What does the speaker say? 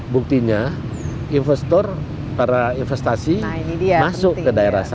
buktinya investor para investasi masuk ke daerah sana